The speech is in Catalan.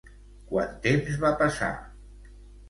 Quant temps va passar?